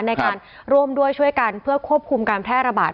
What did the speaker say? ในการร่วมด้วยช่วยกันเพื่อควบคุมการแพร่ระบาด